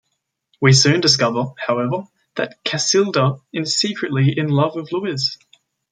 We soon discover, however that Casilda is secretly in love with Luiz.